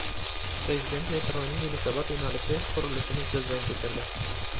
Prezident metroning Yunusobod yo‘nalishi qurilishini ko‘zdan kechirdi